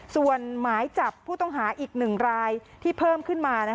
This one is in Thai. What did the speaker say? ส่วนหมายจับผู้ต้องหาอีก๑รายที่เพิ่มขึ้นมา